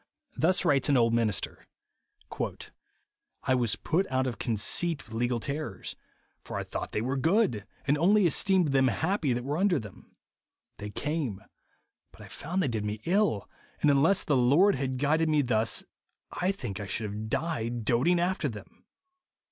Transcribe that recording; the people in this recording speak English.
Thus ^vrites an old minister, " I was put out of conceit with legal terrors ; for I thought they were good, and only esteemed them happy that were under them ; they came, but I found they did me ill ; and unless the Lord had guided me thus, I think I should have died doating after them."